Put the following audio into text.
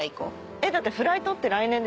えっだってフライトって来年でしょ？